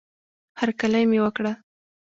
هرکلی مې وکړه